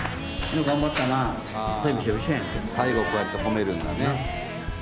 最後こうやって褒めるんだね。